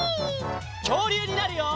きょうりゅうになるよ！